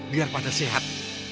biar pada sehat